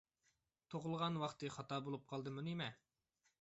تۇغۇلغان ۋاقتى خاتا بولۇپ قالدىمۇ نېمە؟